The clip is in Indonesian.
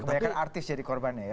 kebanyakan artis jadi korbannya ya